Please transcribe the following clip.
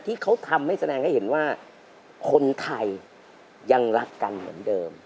ที่เขาทำให้แสดงให้เห็นว่าคนไทยยังรักกันเหมือนเดิม